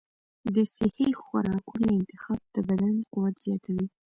د صحي خوراکونو انتخاب د بدن قوت زیاتوي.